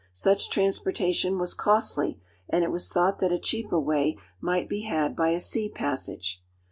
Such transportation was costly, and it was thought that a cheaper way might be had by a sea passage.